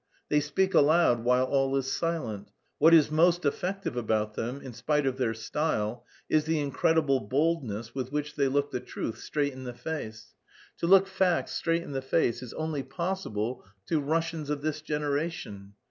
They speak aloud while all is silent. What is most effective about them (in spite of their style) is the incredible boldness with which they look the truth straight in the face. To look facts straight in the face is only possible to Russians of this generation.